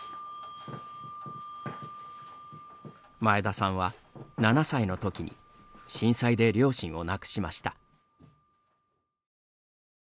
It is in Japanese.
前田さんは、７歳のときに震災で両親を亡くしました。